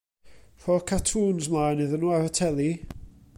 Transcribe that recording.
Rho'r cartŵns mlaen iddyn nhw ar y teli.